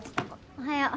おはよう。